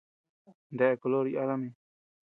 ¿Dae color yada mi?